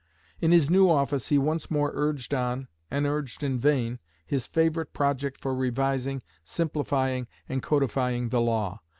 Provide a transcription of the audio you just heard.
In his new office he once more urged on, and urged in vain, his favourite project for revising, simplifying, and codifying the law.